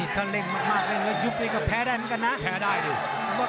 ถ้าเล่นมากและยุบด้วยก็แพ้ได้เหมือนกันนะ